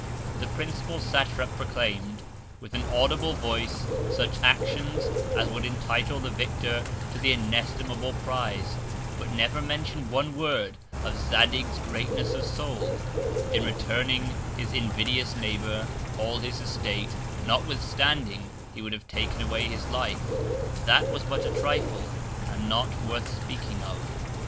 The principal Satrap proclaim'd, with an audible Voice, such Actions as would entitle the Victor to the inestimable Prize; but never mention'd one Word of Zadig's Greatness of Soul, in returning his invidious Neighbour all his Estate, notwithstanding he would have taken away his Life: That was but a Trifle, and not worth speaking of.